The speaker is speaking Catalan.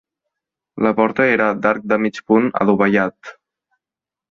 La porta era d'arc de mig punt adovellat.